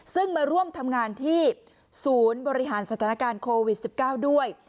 ซึ่งมาร่วมทำงานที่ศูนย์บริหารสถานการณ์โควิด๑๙ด้วย